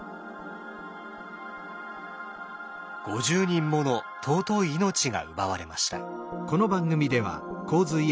５０人もの尊い命が奪われました。